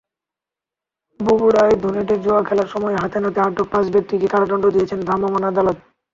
বগুড়ার ধুনটে জুয়া খেলার সময় হাতেনাতে আটক পাঁচ ব্যক্তিকে কারাদণ্ড দিয়েছেন ভ্রাম্যমাণ আদালত।